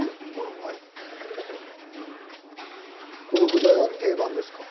この具材は定番ですか？